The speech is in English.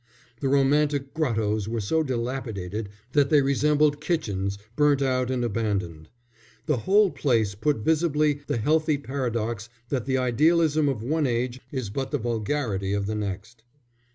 The romantic grottoes were so dilapidated that they resembled kitchens burnt out and abandoned. The whole place put visibly the healthy paradox that the idealism of one age is but the vulgarity of the next.